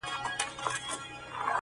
ده ده سقراط لوڼې، سچي فلسفې سترگي,